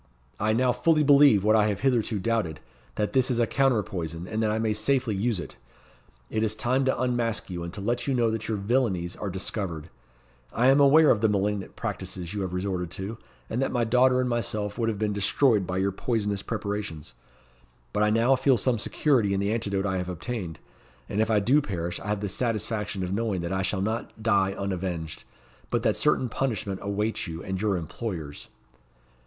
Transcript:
I now fully believe what I have hitherto doubted, that this is a counter poison, and that I may safely use it. It is time to unmask you, and to let you know that your villanies are discovered. I am aware of the malignant practices you have resorted to, and that my daughter and myself would have been destroyed by your poisonous preparations. But I now feel some security in the antidote I have obtained; and if I do perish I have the satisfaction of knowing that I shall not die unavenged, but that certain punishment awaits you and your employers."